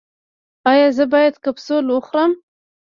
ایا زه باید کپسول وخورم؟